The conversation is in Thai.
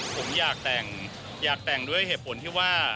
ผมอยากแต่งอยากแต่งด้วยเหตุผลที่ว่า